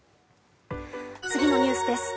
次のニュースです。